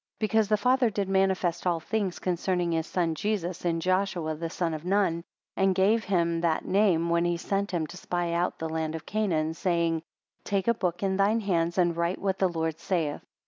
Because the father did manifest all things concerning his son Jesus, in Joshua, the Son of Nun; and gave him that name when he sent him to spy out the land of Canaan, saying; Take a book in thine hands, and write what the Lord saith.